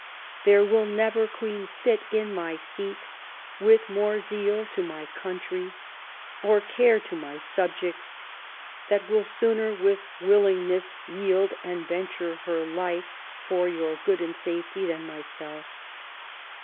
There will never Queen sit in my seat with more zeal to my country, or care to my subjects, that will sooner with willingness yield and venture her life for your good and safety than myself.